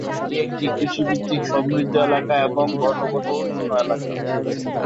এটি একটি কৃষিভিত্তিক সমৃদ্ধ এলাকা এবং ঘনবসতিপূর্ণ এলাকা।